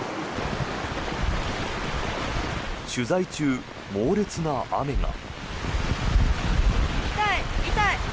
取材中、猛烈な雨が。